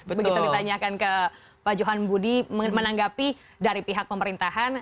begitu ditanyakan ke pak johan budi menanggapi dari pihak pemerintahan